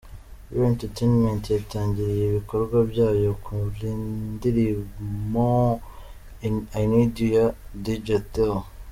Real Entertainment yatangiriye ibikorwa byayo ku ndirimo "I need you" ya Dj Theo.